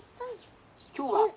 今日は」。